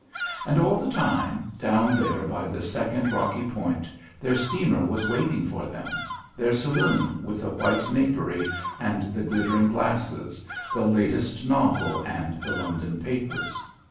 And all the time, down there by the second rocky point, their steamer was waiting for them, their saloon, with the white napery and the glittering glasses, the latest novel, and the London papers.